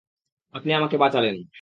আপনি আমাকে বাঁচালেন।